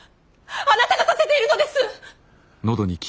あなたがさせているのです！